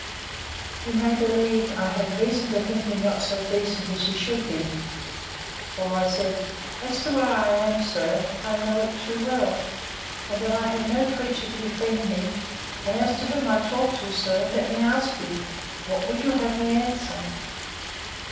You may believe I had reason to think him not so decent as he should be; for I said, As to where I am, sir, I know it too well; and that I have no creature to befriend me: and, as to whom I talk to, sir, let me ask you, What you would have me answer?